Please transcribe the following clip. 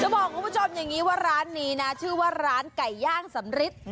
บอกคุณผู้ชมอย่างนี้ว่าร้านนี้นะชื่อว่าร้านไก่ย่างสำริท